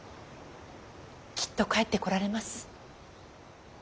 きっと帰ってこられます。